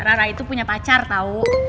rara itu punya pacar tau